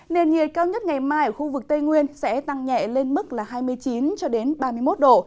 nền nhiệt cao nhất ngày mai ở khu vực tây nguyên sẽ tăng nhẹ lên mức là hai mươi chín cho đến ba mươi một độ